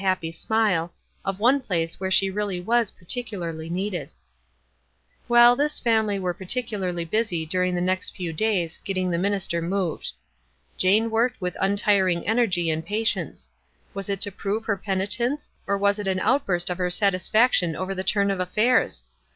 happy smile, of one place where she really was particularly needed. WISE* AND OTHERWISE. 179 Well, this family were particularly busy dur ing the next few days getting the minister moved. Jane worked with untiring energy and patience. Was it to prove her penitence, or was it an out burst of her satisfaction over the turn of affairs